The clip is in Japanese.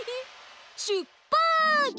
しゅっぱつ！